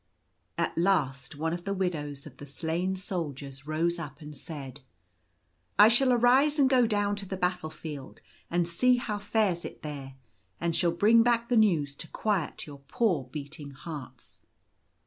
At last one of the widows of the slain soldiers rose up and said —" I shall arise and go down to the battle field, and see how fares it there ; and shall bring back the news to quiet your poor beating hearts."